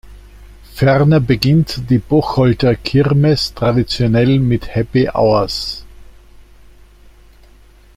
Ferner beginnt die Bocholter Kirmes traditionell mit Happy Hours.